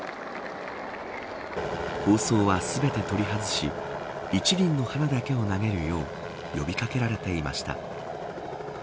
包装は全て取り外し一輪の花だけを投げるよう呼び掛けられていました。